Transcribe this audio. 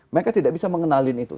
mereka tidak bisa mengenalin itu